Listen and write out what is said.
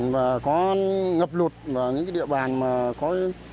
và có ngập lụt và những địa bàn mà có